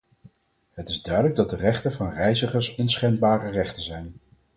Het is duidelijk dat de rechten van reizigers onschendbare rechten zijn.